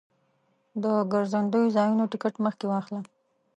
د ګرځندوی ځایونو ټکټ مخکې واخله.